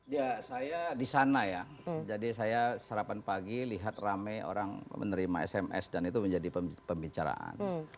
ya saya di sana ya jadi saya sarapan pagi lihat rame orang menerima sms dan itu menjadi pembicaraan